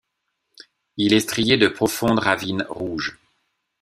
Il est strié de profondes ravines rouges.